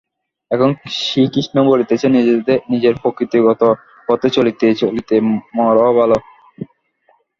এখন শ্রীকৃষ্ণ বলিতেছেন নিজের প্রকৃতিগত পথে চলিতে চলিতে মরাও ভাল।